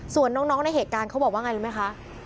ส่วนน้องในเหตุการณ์เขาบอกว่าไงรู้ไหมคะ